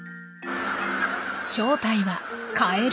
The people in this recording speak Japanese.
正体はカエル。